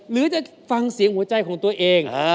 หรือจะฟังเสียงหัวใจของตัวเอง